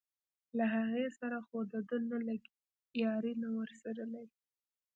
له هغې سره خو دده نه لګي یاري نه ورسره لري.